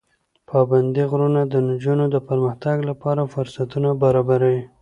پابندي غرونه د نجونو د پرمختګ لپاره فرصتونه برابروي.